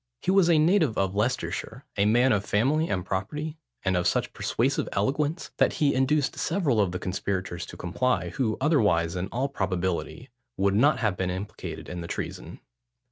He was a native of Leicestershire: a man of family and property, and of such persuasive eloquence, that he induced several of the conspirators to comply, who otherwise, in all probability, would not have been implicated in the treason.